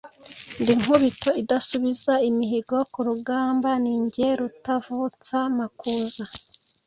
Ndi Nkubito idasubiza imihigo ku rugambaNi jye Rutavutsamakuza.